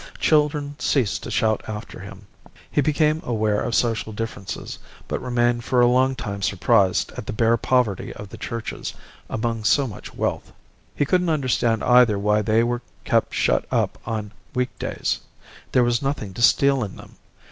Children ceased to shout after him. He became aware of social differences, but remained for a long time surprised at the bare poverty of the churches among so much wealth. He couldn't understand either why they were kept shut up on week days. There was nothing to steal in them.